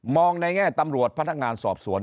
ในแง่ตำรวจพนักงานสอบสวน